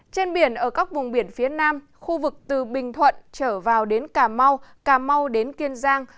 trên biển ở các vùng biển phía nam khu vực từ bình thuận trở vào đến cà mau cà mau đến kiên giang